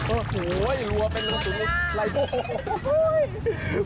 โอ้โฮ้ยรับเป็นลูกศูนย์ไล่โอ้โฮ้ย